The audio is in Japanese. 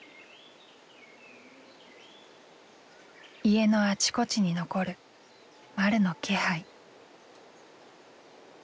家のあちこちに残るまるの気配。